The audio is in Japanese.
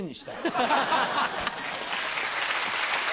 ハハハ！